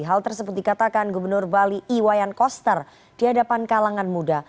hal tersebut dikatakan gubernur bali iwayan koster di hadapan kalangan muda